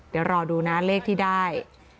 เดี๋ยวรอดูนะเลขที่ได้